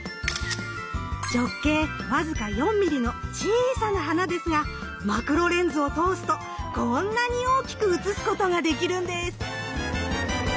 直径僅か４ｍｍの小さな花ですがマクロレンズを通すとこんなに大きく写すことができるんです！